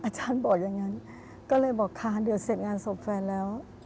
อาจารย์บอกอย่างนั้นก็เลยบอกค่ะเดี๋ยวเสร็จงานศพแฟนแล้ว